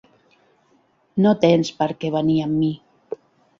No tens per què venir amb mi.